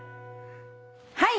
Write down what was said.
はい！